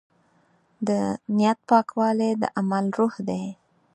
د نیت پاکوالی د عمل روح دی.